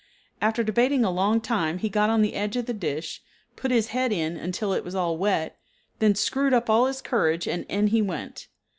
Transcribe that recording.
After debating a long time he got on the edge of the dish, put his head in until it was all wet, then screwed up all his courage and in he went.